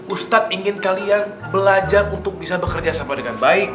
ustadz ingin kalian belajar untuk bisa bekerja sama dengan baik